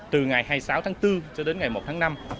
từ ngày hai mươi sáu tháng bốn cho đến ngày một tháng năm